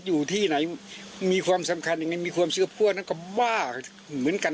อยู่ที่ไหนมีความสำคัญยังไงมีความเชื่อพวกนั้นก็ว่าเหมือนกัน